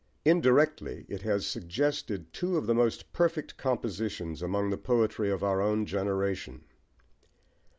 Indirectly it has suggested two of the most perfect compositions among the poetry of our own generation.